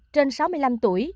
trên sáu mươi năm tuổi